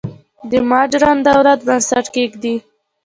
د موډرن دولت بنسټ کېږدي.